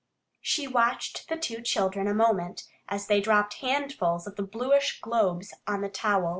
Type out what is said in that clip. She watched the two children a moment as they dropped handfuls of the bluish globes on the towel.